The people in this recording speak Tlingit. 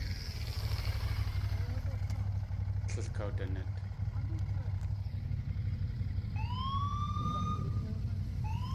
Tlél kawdaneit.